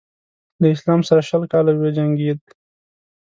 له اسلام سره شل کاله وجنګېد.